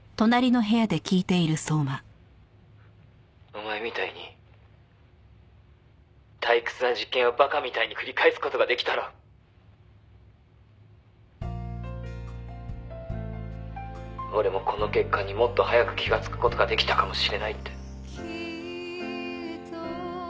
「お前みたいに退屈な実験をバカみたいに繰り返す事が出来たら俺もこの欠陥にもっと早く気がつく事が出来たかもしれないって」